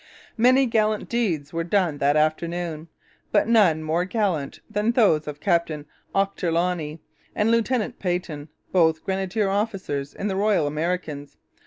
Many gallant deeds were done that afternoon; but none more gallant than those of Captain Ochterloney and Lieutenant Peyton, both grenadier officers in the Royal Americans.